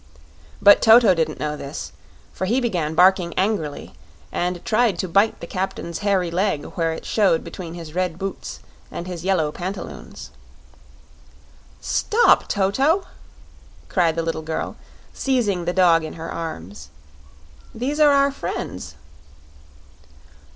But Toto didn't know this, for he began barking angrily and tried to bite the captain's hairy leg where it showed between his red boots and his yellow pantaloons. "Stop, Toto!" cried the little girl, seizing the dog in her arms. "These are our friends."